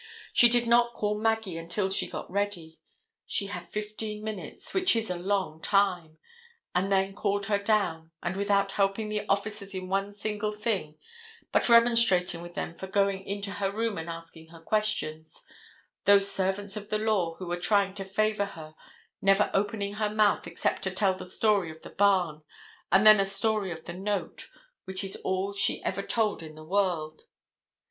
She did not call Maggie until she got ready. She had fifteen minutes, which is a long time, and then called her down, and without helping the officers in one single thing, but remonstrating with them for going into her room and asking her questions—those servants of the law who were trying to favor her, never opening her mouth except to tell the story of the barn, and then a story of the note, which is all she ever told in the world.